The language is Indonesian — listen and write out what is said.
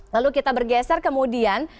lalu kita bergeser kemudian